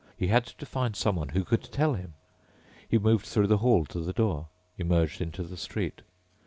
He had to find someone who could tell him. He moved through the hall to the door, emerged into the street.